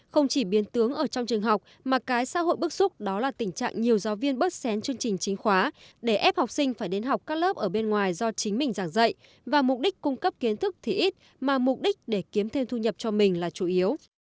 không chỉ biến tướng ở trong trường học mà cái xã hội bức xúc đó là tình trạng nhiều giáo viên bớt xén chương trình chính khóa để ép học sinh phải đến học các lớp ở bên ngoài do chính mình giảng dạy và mục đích cung cấp kiến thức thì ít mà mục đích để kiếm thêm thu nhập cho mình là chủ yếu